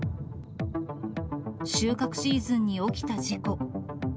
収穫シーズンに起きた事故。